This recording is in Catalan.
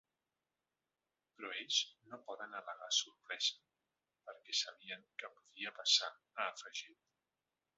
Però ells no poden al·legar sorpresa perquè sabien que podia passar, ha afegit.